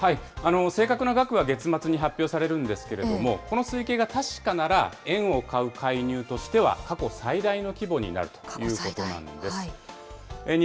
正確な額は月末に発表されるんですけれども、この推計が確かなら、円を買う介入としては、過去最大の規模になるということな過去最大。